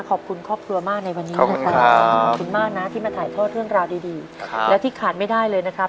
ขอบคุณครอบครัวมากในวันนี้นะครับขอบคุณมากนะที่มาถ่ายทอดเรื่องราวดีและที่ขาดไม่ได้เลยนะครับ